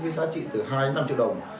với giá trị từ hai năm triệu đồng